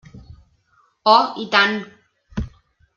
Oh, i tant!